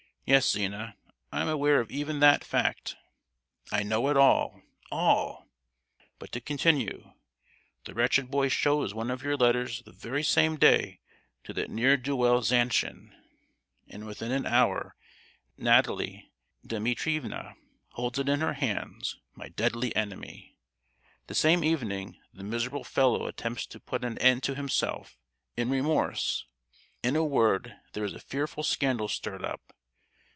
Yes, Zina, I am aware of even that fact! I know all, all! But to continue—the wretched boy shows one of your letters the very same day to that ne'er do well Zanshin, and within an hour Natalie Dimitrievna holds it in her hands—my deadly enemy! The same evening the miserable fellow attempts to put an end to himself, in remorse. In a word, there is a fearful scandal stirred up.